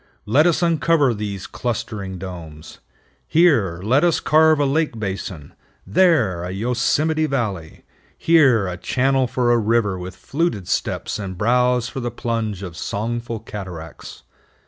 Let us uncover these clustering domes. Here let us carve a lake basin; there, a Yosemite Valley; here, a channel for a river with fluted steps and brows for the plunge of songful cataracts.